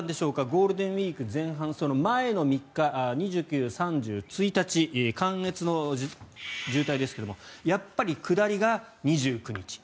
ゴールデンウィーク前半前の３日２９日、３０日、１日関越の渋滞ですがやっぱり下りが２９日、３５ｋｍ。